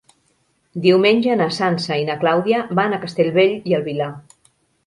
Diumenge na Sança i na Clàudia van a Castellbell i el Vilar.